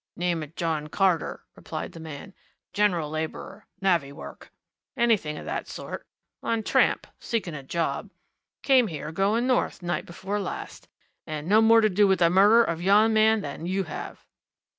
"Name of John Carter," replied the man. "General labourer navvy work anything of that sort. On tramp seeking a job. Came here, going north, night before last. And no more to do with the murder of yon man than you have!"